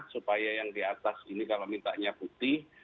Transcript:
supaya yang di atas ini kalau mintanya putih